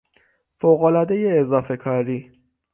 فوقالعادهی اضافه کاری